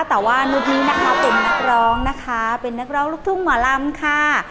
แต่ว่านุษย์นี้นะคะเป็นนักร้องนะคะเป็นนักร้องลูกทุ่งหมอลำค่ะ